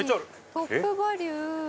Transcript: トップバリュ。